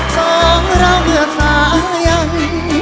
สองราวเหลือสายัน